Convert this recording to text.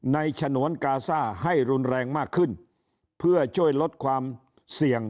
ฉนวนกาซ่าให้รุนแรงมากขึ้นเพื่อช่วยลดความเสี่ยง